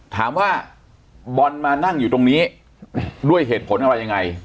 ถามว่าบอลมานั่งอยู่ตรงนี้ด้วยเหตุผลอะไรยังไง